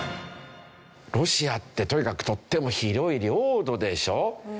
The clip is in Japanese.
ロシアってとにかくとっても広い領土でしょ？